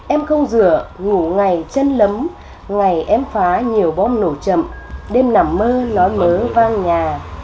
em không rửa ngủ ngày chân lấm ngày em phá nhiều bom nổ chậm đêm nằm mơ nó mớ vang nhà